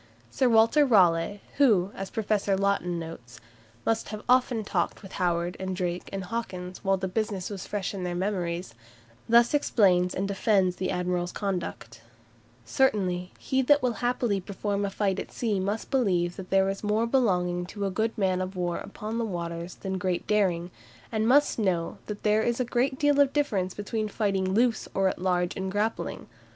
Sir Walter Raleigh, who, as Professor Laughton notes, "must have often talked with Howard, and Drake, and Hawkins, while the business was fresh in their memories," thus explains and defends the admiral's conduct: "Certainly, he that will happily perform a fight at sea must believe that there is more belonging to a good man of war upon the waters than great daring, and must know that there is a great deal of difference between fighting loose or at large and grappling.